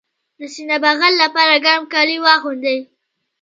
د سینه بغل لپاره ګرم کالي واغوندئ